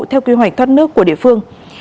theo quy hoạch thoát nước của địa phương